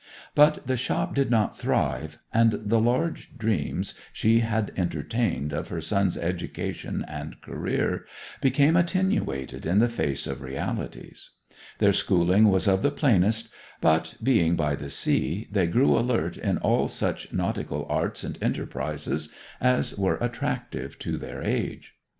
But the shop did not thrive, and the large dreams she had entertained of her sons' education and career became attenuated in the face of realities. Their schooling was of the plainest, but, being by the sea, they grew alert in all such nautical arts and enterprises as were attractive to their age.